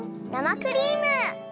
生クリーム！